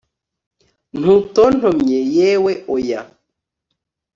ntutontomye yewe oya